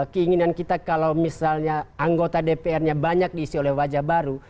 keinginan kita kalau misalnya anggota dpr nya banyak diisi oleh wajah baru